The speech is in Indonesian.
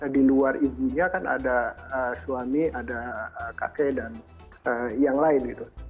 di luar ibunya kan ada suami ada kakek dan yang lain gitu